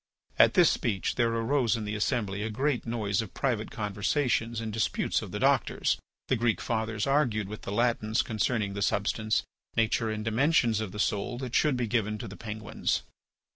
At this speech there arose in the assembly a great noise of private conversations and disputes of the doctors. The Greek fathers argued with the Latins concerning the substance, nature, and dimensions of the soul that should be given to the penguins.